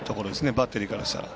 バッテリーからしたら。